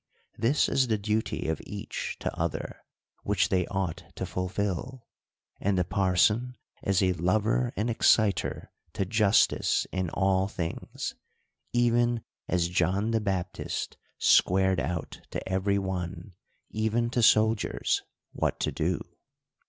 This is the duty of each to other, which they ought to fulfil ; and the parson is a lover and exciter to justice in all things ; even as John the Baptist squared out to every one, even to soldiers, what to do.